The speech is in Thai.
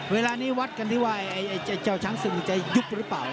เวลานี้วัดกันที่ว่าไอ้เจ้าช้างศึกจะยุบหรือเปล่า